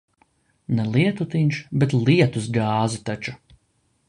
Ne lietutiņš, bet lietus gāze taču.